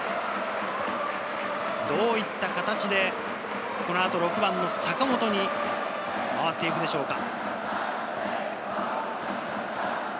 どういった形でこのあと６番の坂本に回っていくでしょうか。